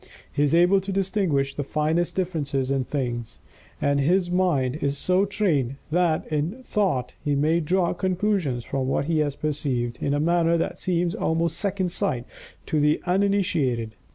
He is able to distinguish the finest differences in things, and his mind is so trained that, in thought, he may draw conclusions from what he has perceived, in a manner that seems almost "second sight" to the uninitiated.